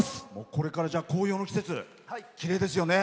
これから紅葉の季節きれいですよね。